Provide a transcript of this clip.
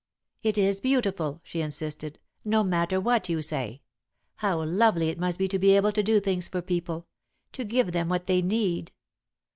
"It is beautiful," she insisted, "no matter what you say. How lovely it must be to be able to do things for people to give them what they need!